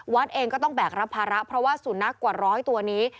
เองก็ต้องแบกรับภาระเพราะว่าสุนัขกว่าร้อยตัวนี้